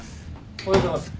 おはようございます。